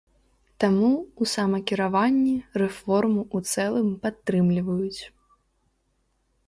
Таму ў самакіраванні рэформу ў цэлым падтрымліваюць.